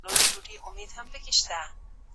هیوادونه نړیوالو ستونزو ته بې له حل نه نه پريږدي.